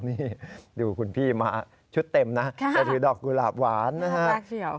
นี่ดูคุณพี่มาชุดเต็มนะจะถือดอกกุหลาบหวานนะฮะ